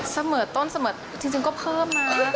เสมอต้นเสมอจริงก็เพิ่มมา